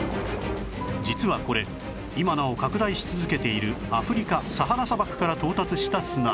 実はこれ今なお拡大し続けているアフリカサハラ砂漠から到達した砂嵐